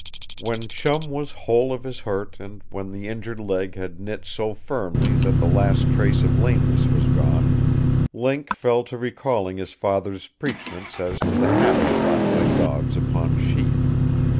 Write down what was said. When Chum was whole of his hurt and when the injured leg had knit so firmly that the last trace of lameness was gone, Link fell to recalling his father's preachments as to the havoc wrought by dogs upon sheep.